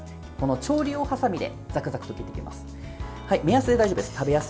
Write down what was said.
調理用はさみでザクザクと切っていきます。